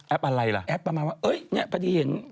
อะไรล่ะแอปประมาณว่าเอ้ยเนี่ยพอดีเห็น